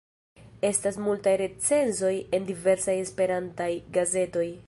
Estas multaj recenzoj en diversaj Esperantaj gazetoj.